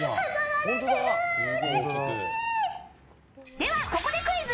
では、ここでクイズ。